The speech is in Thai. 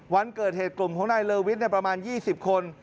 วันเกิดเหตุกลุ่มของนายเลอวิทย์ประมาณ๒๐คน